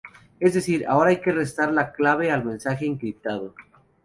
Es decir, ahora hay que restar la clave al mensaje encriptado.